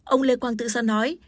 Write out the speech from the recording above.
ông lê quang tự do nói